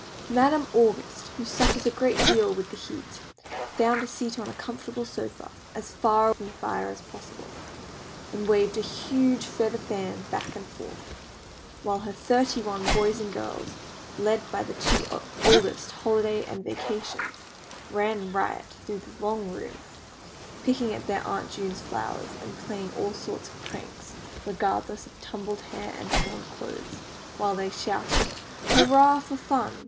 Madam August, who suffers a great deal with the heat, found a seat on a comfortable sofa, as far from the fire as possible, and waved a huge feather fan back and forth, while her thirty one boys and girls, led by the two oldest, Holiday and Vacation, ran riot through the long rooms, picking at their Aunt June's flowers, and playing all sorts of pranks, regardless of tumbled hair and torn clothes, while they shouted, "Hurrah for fun!"